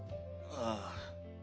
ああ。